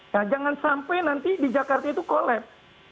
nah jangan sampai nanti di jakarta itu collab